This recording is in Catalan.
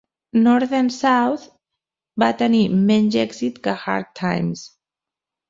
"North and South" va tenir menys èxit que "Hard Times".